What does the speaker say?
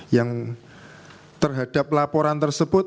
yang terhadap laporan tersebut